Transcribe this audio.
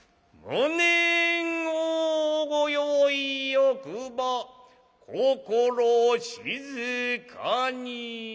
『おおご用意よくば心静かに』。